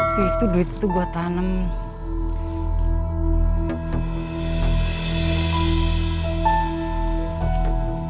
duit itu gue tanam